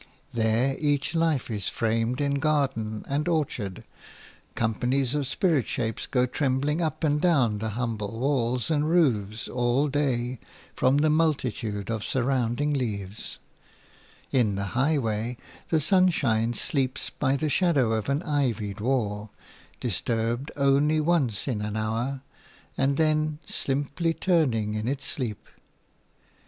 There each life is framed in garden and orchard; companies of spirit shapes go trembling up and down the humble walls and roofs all day from the multitude of surrounding leaves; in the highway the sunshine sleeps by the shadow of an ivied wall – disturbed only once in an hour, and then simply turning in its sleep.